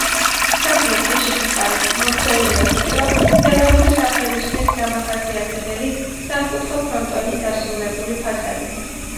სახლი ქუჩის მხარეს მოქცეულია ვიწრო, თელავური სახლებისთვის დამახასიათებელი, სამკუთხა ფრონტონით დასრულებული ფასადით.